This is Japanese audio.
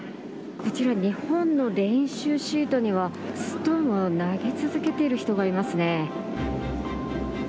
こちら、日本の練習シートには、ストーンを投げ続けている人がいますね。